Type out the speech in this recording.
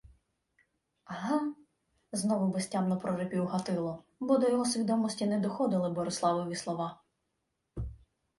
— Га? — знову безтямно прорипів Гатило, бо до його свідомості не доходили Бориславові слова.